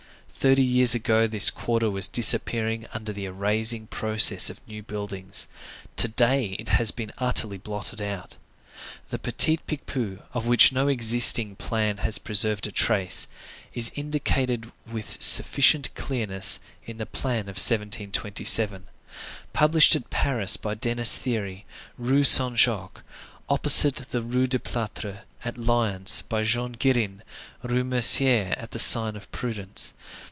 Thirty years ago, this quarter was disappearing under the erasing process of new buildings. To day, it has been utterly blotted out. The Petit Picpus, of which no existing plan has preserved a trace, is indicated with sufficient clearness in the plan of 1727, published at Paris by Denis Thierry, Rue Saint Jacques, opposite the Rue du Plâtre; and at Lyons, by Jean Girin, Rue Mercière, at the sign of Prudence.